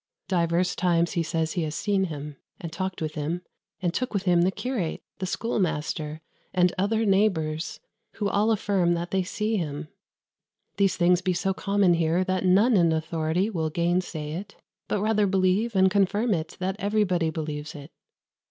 Divers times he says he has seen him, and talked with him, and took with him the curate, the schoolmaster, and other neighbours, who all affirm that they see him. These things be so common here that none in authority will gainsay it, but rather believe and confirm it, that everybody believes it.